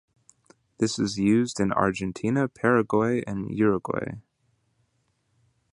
This is used in Argentina, Paraguay and Uruguay.